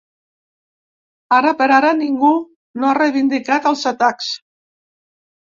Ara per ara ningú no ha reivindicat els atacs.